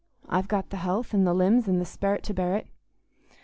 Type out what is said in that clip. I've got th' health, and the limbs, and the sperrit to bear it."